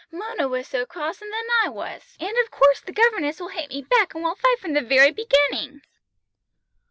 Mona was so cross, and then I was, and of course the governess will hate me back, and we'll fight from the very beginning!"